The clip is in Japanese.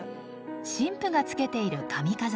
新婦がつけている髪飾り。